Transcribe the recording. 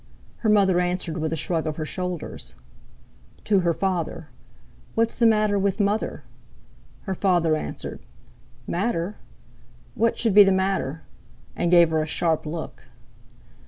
Her mother answered with a shrug of her shoulders. To her father: "What's the matter with Mother?" Her father answered: "Matter? What should be the matter?" and gave her a sharp look.